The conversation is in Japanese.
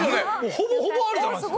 ほぼほぼあるじゃないですか。